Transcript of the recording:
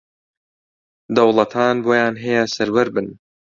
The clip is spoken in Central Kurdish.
دەوڵەتان بۆیان ھەیە سەروەر بن